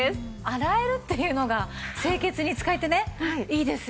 洗えるっていうのが清潔に使えてねいいですよね。